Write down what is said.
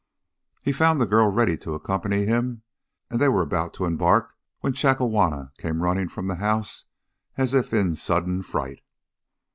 He found the girl ready to accompany him, and they were about to embark when Chakawana came running from the house as if in sudden fright.